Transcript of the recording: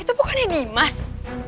itu bukannya dimas